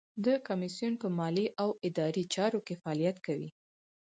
د کمیسیون په مالي او اداري چارو کې فعالیت کوي.